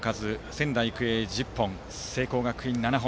仙台育英、１０本聖光学院７本。